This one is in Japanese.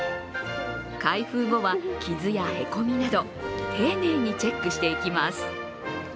開封後は、傷やへこみなど丁寧にチェックしていきます。